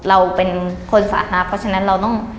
เราเป็นคนสาธารณะเพราะฉะนั้นเราต้อง